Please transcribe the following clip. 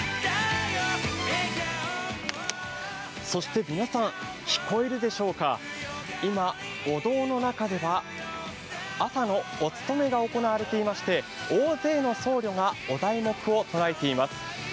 そして皆さん、聞こえるでしょうか、今、お堂の中では朝のお勤めが行われていまして大勢の僧侶がお題目を唱えています。